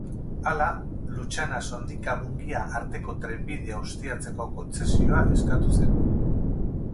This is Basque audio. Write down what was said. Hala, Lutxana-Sondika-Mungia arteko trenbidea ustiatzeko kontzesioa eskatu zen.